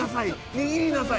握りなさい。